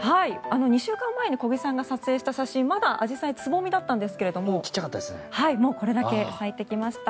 ２週間前に小木さんが撮影した写真まだアジサイはつぼみだったんですがもうこれだけ咲いてきました。